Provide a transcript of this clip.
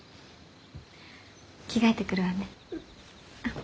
着替えてくるわね。